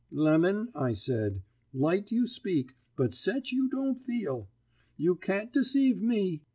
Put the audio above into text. "'Lemon,' I said, 'light you speak, but sech you don't feel. You can't deceive me.